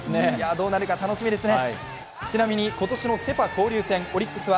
どうなるか楽しみですね。